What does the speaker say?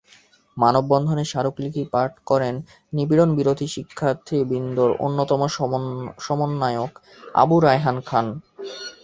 মানববন্ধনে স্মারকলিপি পাঠ করেন নিপীড়নবিরোধী শিক্ষার্থীবৃন্দর অন্যতম সমন্বয়ক আবু রায়হান খান।